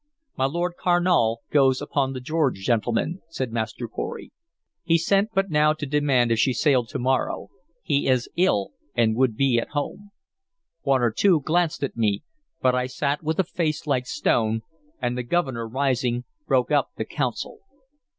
"My Lord Carnal goes upon the George, gentlemen," said Master Pory. "He sent but now to demand if she sailed to morrow. He is ill, and would be at home." One or two glanced at me, but I sat with a face like stone, and the Governor, rising, broke up the council.